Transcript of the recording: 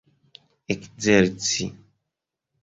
ekzerci